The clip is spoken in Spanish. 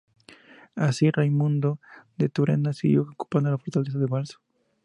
Así Raimundo de Turena siguió ocupando la fortaleza del Balzo.